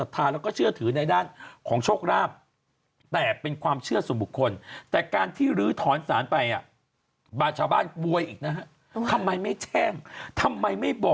ถ้าเกิดว่าเอาไปตั้งที่อื่นได้ไหมปกติ